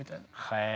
へえ。